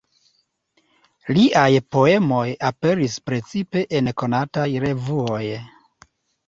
Liaj poemoj aperis precipe en konataj revuoj.